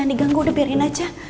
ndiganggu udah biarin aja